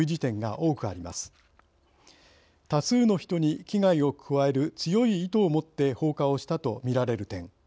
多数の人に危害を加える強い意図を持って放火をしたとみられる点。